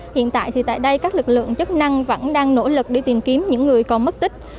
hiện tại thì tại đây các lực lượng chức năng vẫn đang nỗ lực để tìm kiếm những người còn mất tích